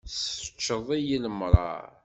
Tseččeḍ-iyi lemṛaṛ.